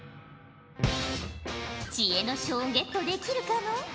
知恵の書をゲットできるかの？